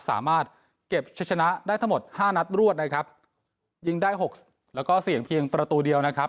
สามารถเก็บชะชนะได้ทั้งหมดห้านัดรวดนะครับยิงได้หกแล้วก็เสี่ยงเพียงประตูเดียวนะครับ